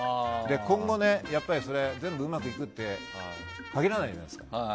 今後、やっぱり全部うまくいくって限らないじゃないですか。